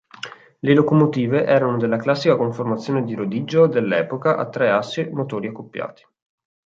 Le locomotive erano della classica conformazione di rodiggio dell'epoca a tre assi motori accoppiati.